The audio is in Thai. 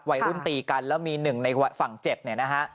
วัยรุ่นตีกันแล้วมีหนึ่งในฝั่งเจ็บเนี่ยนะฮะ